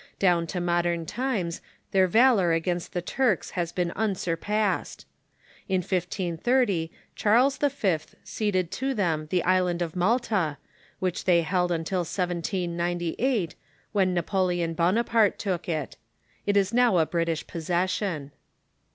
Down to modern times their valor against the Turks has been unsurpassed. In 1530 Charles V. ceded to them the island of Malta, which they held until 1798, Avhen Napoleon Bonaparte took it. It is now a British possession.